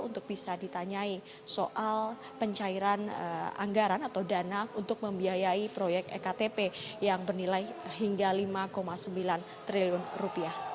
untuk bisa ditanyai soal pencairan anggaran atau dana untuk membiayai proyek ektp yang bernilai hingga lima sembilan triliun rupiah